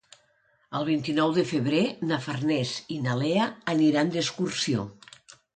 El vint-i-nou de febrer na Farners i na Lea aniran d'excursió.